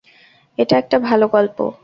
এটা একটা ভালো গল্প।